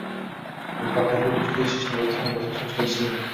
Muvaffaqiyatli bo’lishga erishishni bosqichma-bosqich boshlaymi